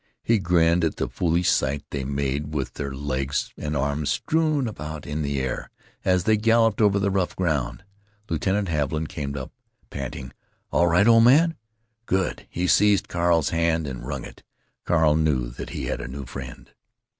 He grinned at the foolish sight they made with their legs and arms strewn about in the air as they galloped over the rough ground. Lieutenant Haviland came up, panting: "All right, o' man? Good!" He seized Carl's hand and wrung it. Carl knew that he had a new friend.